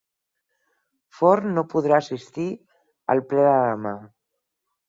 Forn no podrà assistir al ple de demà